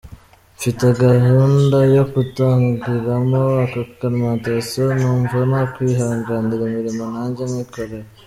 Mfite gahunda yo gutangiramo aka alimentation, numva nakwihangira imirimo nanjye nkikorera.